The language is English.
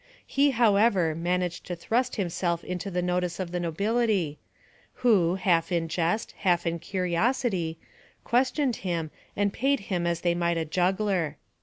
He, however, managed to thrust himself into the notice of the nobility, who, half in jest, half in curiosity, questioned him, and paid him as they might a juggler.